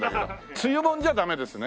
つゆもんじゃダメですね。